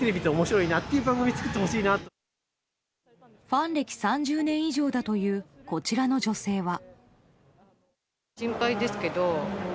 ファン歴３０年以上だというこちらの女性は。